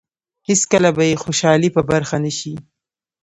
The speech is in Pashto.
هېڅکله به یې خوشالۍ په برخه نه شي.